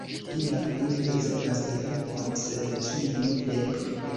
Iam ili bezonas helpon, sed kiu ne?